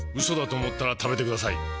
嘘だと思ったら食べてください。